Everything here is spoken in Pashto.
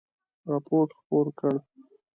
رپوټ خپور کړ.